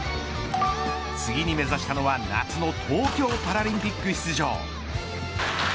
次に目指したのは夏の東京パラリンピック出場。